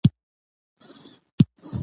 کلیات د عربي ژبي کليمه ده.